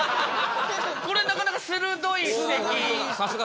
これなかなか鋭い指摘。